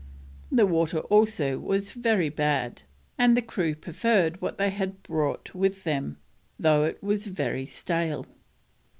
The water also was very bad, and the crew preferred what they had brought with them, though it was very stale.